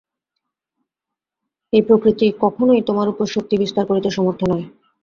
এই প্রকৃতি কখনই তোমার উপর শক্তি বিস্তার করিতে সমর্থ নয়।